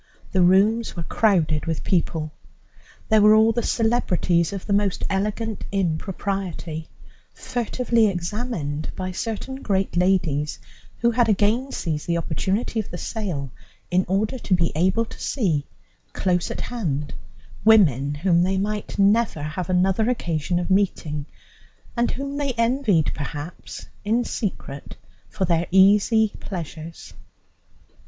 The rooms were crowded with people. There were all the celebrities of the most elegant impropriety, furtively examined by certain great ladies who had again seized the opportunity of the sale in order to be able to see, close at hand, women whom they might never have another occasion of meeting, and whom they envied perhaps in secret for their easy pleasures.